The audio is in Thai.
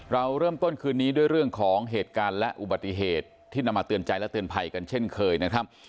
เราเริ่มต้นคืนนี้ด้วยเรื่องของเหตุการณ์และอุบัติเหตุที่นำมาเตือนใจและเตือนภัยกันเช่นเคยนะครับ